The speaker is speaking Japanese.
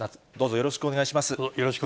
よろしくお願いします。